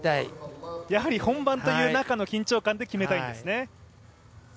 やはり本番という中での緊張感で決めたいんですね。